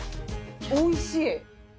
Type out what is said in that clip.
おいしい！